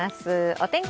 お天気